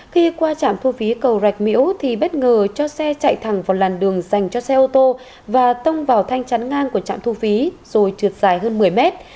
khi qua trạm thu phí cầu rạch miễu thì bất ngờ cho xe chạy thẳng vào làn đường dành cho xe ô tô và tông vào thanh chắn ngang của trạm thu phí rồi trượt dài hơn một mươi mét